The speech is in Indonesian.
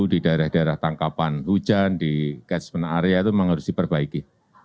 di daerah daerah tangkapan hujan di catchment area itu memang harus diperbaiki